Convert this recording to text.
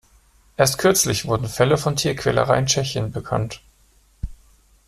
Erst kürzlich wurden Fälle von Tierquälerei in Tschechien bekannt.